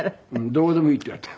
「どこでもいい」って言われた。